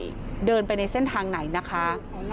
ว่าน้องไก่เดินไปในเส้นทางไหนนะคะ